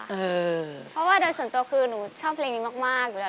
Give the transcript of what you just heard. เพราะว่าโดยส่วนตัวคือหนูชอบเพลงนี้มากอยู่แล้ว